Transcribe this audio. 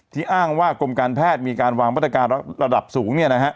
อ้างว่ากรมการแพทย์มีการวางมาตรการระดับสูง